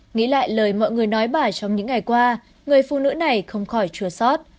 nghĩ lại lời mọi người nói bà trong những ngày qua người phụ nữ này không khỏi chùa sót